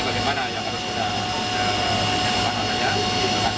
bagaimana yang harus kita